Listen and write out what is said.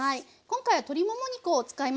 今回は鶏もも肉を使います。